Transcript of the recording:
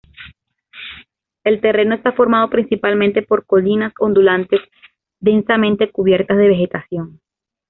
El terreno está formado principalmente por colinas ondulantes densamente cubiertas de vegetación.